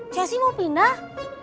jessy mau pindah